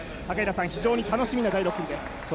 非常に楽しみな第６組です。